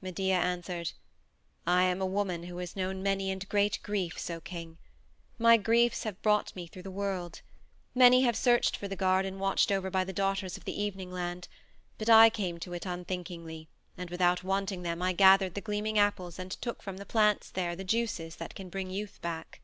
Medea answered: "I am a woman who has known many and great griefs, O king. My griefs have brought me through the world. Many have searched for the garden watched over by the Daughters of the Evening Land, but I came to it unthinkingly, and without wanting them I gathered the gleaming apples and took from the plants there the juices that can bring youth back."